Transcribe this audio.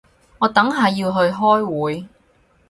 我等下要去開會